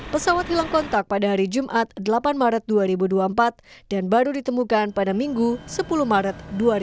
pesawat hilang kontak pada hari jumat delapan maret dua ribu dua puluh empat dan baru ditemukan pada minggu sepuluh maret dua ribu dua puluh